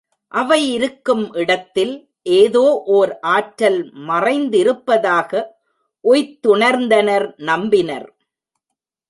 அவை இருக்கும் இடத்தில் ஏதோ ஒர் ஆற்றல் மறைந்திருப்பதாக உய்த்துணர்ந்தனர்நம்பினர்.